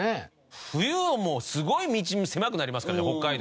冬はもうすごい道狭くなりますからね北海道。